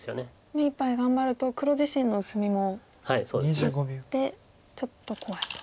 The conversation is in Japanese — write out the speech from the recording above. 目いっぱい頑張ると黒自身の薄みもあってちょっと怖いと。